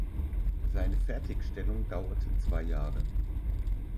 Seine Fertigstellung dauerte zwei Jahre.